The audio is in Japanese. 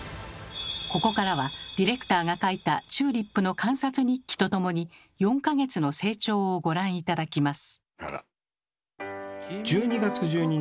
ここからはディレクターが書いたチューリップの観察日記と共に４か月の成長をご覧頂きます。